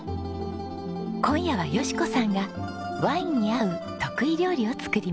今夜は淑子さんがワインに合う得意料理を作りました。